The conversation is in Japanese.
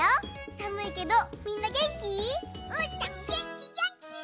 さむいけどみんなげんき？うーたんげんきげんき！